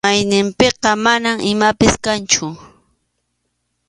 Mayninpiqa mana imapas kanchu.